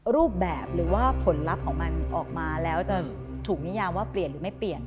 รูปแบบหรือว่าผลลัพธ์ของมันออกมาแล้วจะถูกนิยามว่าเปลี่ยนหรือไม่เปลี่ยน